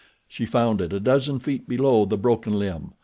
She found it a dozen feet below the broken limb.